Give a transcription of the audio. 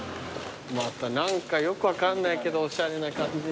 また何かよく分かんないけどおしゃれな感じの。